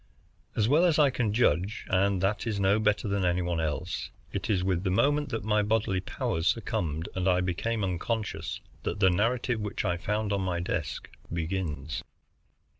As well as I can judge, and that is no better than any one else, it is with the moment that my bodily powers succumbed and I became unconscious that the narrative which I found on my desk begins.